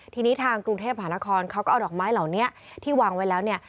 ทีนี้ทางกรุงเทพหานครเขาก็เอาดอกไม้เหล่านี้ที่วางไว้แล้วเนี่ย